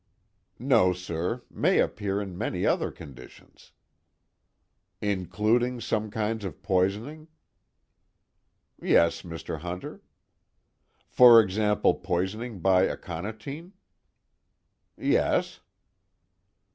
"No, sir may appear in many other conditions." "Including some kinds of poisoning?" "Yes, Mr. Hunter." "For example poisoning by aconitine?" "Yes."